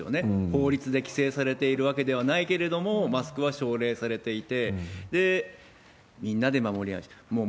法律で規制されているわけではないけれども、マスクは奨励されていて、みんなで守りましょう。